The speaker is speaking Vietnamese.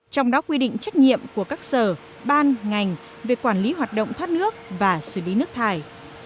trong đó quy định trách nhiệm của các sở ban ngành về quản lý hoạt động thoát nước và xử lý nước thải